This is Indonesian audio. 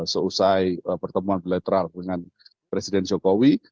seusai pertemuan bilateral dengan presiden jokowi